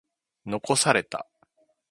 残された。